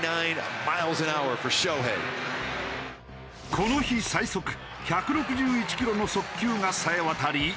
この日最速１６１キロの速球がさえわたり。